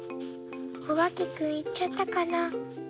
おばけくんいっちゃったかな？